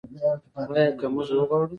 آیا که موږ وغواړو؟